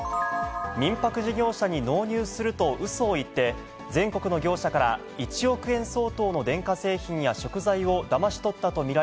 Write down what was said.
民泊事業者に納入するとうそを言って、全国の業者から１億円相当の電化製品や食材をだまし取ったと見ら